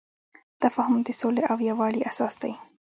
تفاهم د سولې او یووالي اساس دی.